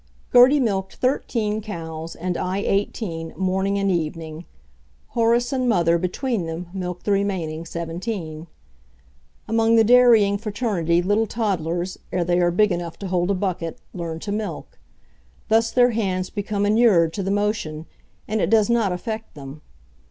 Gertie milked thirteen cows, and I eighteen, morning and evening. Horace and mother, between them, milked the remaining seventeen. Among the dairying fraternity little toddlers, ere they are big enough to hold a bucket, learn to milk. Thus their hands become inured to the motion, and it does not affect them.